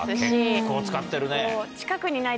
結構使ってるね。